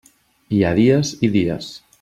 Hi ha dies i dies.